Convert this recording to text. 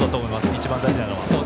一番大事なのは。